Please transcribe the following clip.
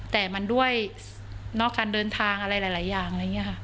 แต่มันด้วยนอกการเดินทางอะไรหลายอย่าง